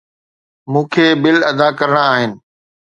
مون کي بل ادا ڪرڻا آهن.